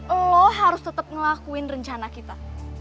lo harus tetep ngelakuin rencana kita